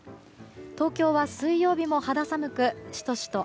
東京は水曜日も肌寒くシトシト